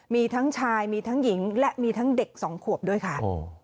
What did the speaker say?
มีทั้งชายมีทั้งหญิงและมีทั้งเด็กสองขวบด้วยค่ะ